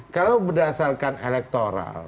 kalau berdasarkan elektoral